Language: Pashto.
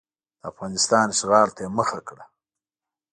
د افغانستان اشغال ته یې مخه کړه.